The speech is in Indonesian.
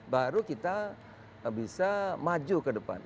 baru kita bisa maju ke depan